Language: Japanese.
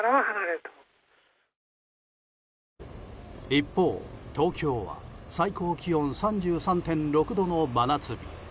一方、東京は最高気温３３．６度の真夏日。